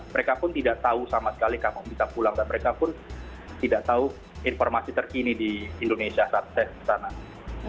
mereka pun tidak tahu sama sekali kamu bisa pulang dan mereka pun tidak tahu informasi terkini di indonesia saat tes ke sana